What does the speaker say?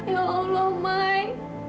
ya allah mai